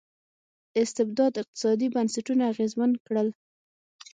استبداد اقتصادي بنسټونه اغېزمن کړل.